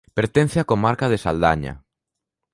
Pertence á comarca de Saldaña.